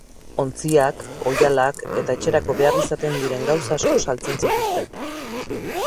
Ontziak, oihalak eta etxerako behar izaten diren gauza asko saltzen zituzten.